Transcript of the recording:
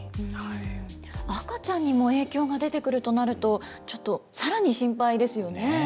赤ちゃんにも影響が出てくるとなると、ちょっと、さらに心配ですよね。